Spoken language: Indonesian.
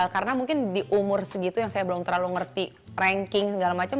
karena mungkin di umur segitu yang saya belum terlalu ngerti ranking segala macem